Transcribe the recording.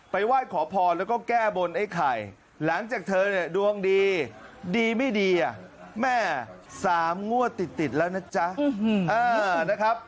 ไปไหว้ขอพรแล้วก็แก้บนไอ้ไข่หลังจากเธอดวงดีดีไม่ดีแหม่สามงั่วติดติดแล้วนะจ้ะ